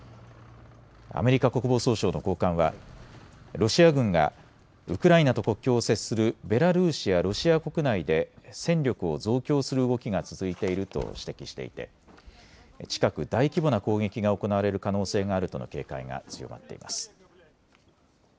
アメリカ国防総省の高官はロシア軍がウクライナと国境を接するベラルーシやロシア国内で戦力を増強する動きが続いていると指摘していて近く大規模な攻撃が行われる可能性があるとの警戒が強まっています。